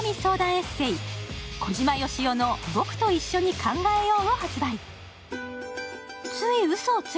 エッセー「小島よしおのボクといっしょに考えよう」を販売。